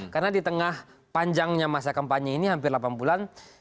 karena di tengah panjangnya masa kampanye ini hampir delapan bulan